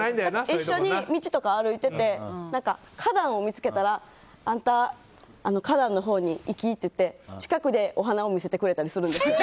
一緒に道とか歩いてて花壇を見つけたらあんた、花壇のほうに行きって近くでお花を見せてくれたりするんですよ。